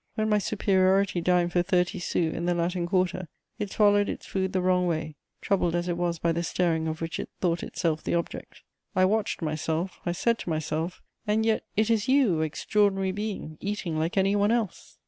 When my superiority dined for thirty sous in the Latin Quarter it swallowed its food the wrong way, troubled as it was by the staring of which it thought itself the object. I watched myself, I said to myself: "And yet it is you, extraordinary being, eating like any one else!"